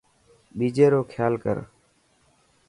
ٻيجي رو کيال ڪر.